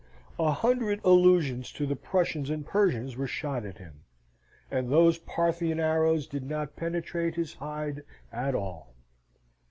A hundred allusions to the Prussians and Persians were shot at him, and those Parthian arrows did not penetrate his hide at all.